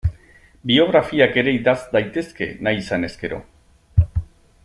Biografiak ere idatz daitezke nahi izanez gero.